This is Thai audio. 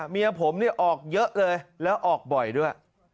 เมียผมเนี่ยออกเยอะเลยแล้วออกบ่อยด้วย